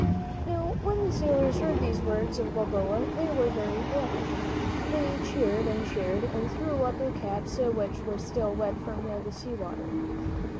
Now, when the sailors heard these words of Balboa, they were very glad. They cheered and cheered and threw up their caps, which were still wet from the sea water.